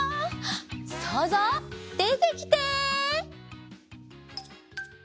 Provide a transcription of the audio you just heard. そうぞうでてきて！